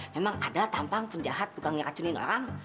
memang ada tampang penjahat tukang ngeracunin orang